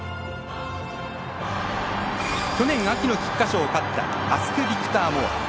去年秋の菊花賞を勝ったアスクビクターモア。